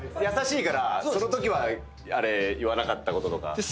優しいからそのときは言わなかったこととか。